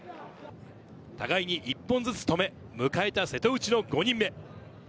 互いに１本ずつ止め、迎えた瀬戸内の５人目。